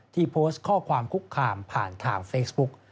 โพสต์ข้อความคุกคามผ่านทางเฟซบุ๊ก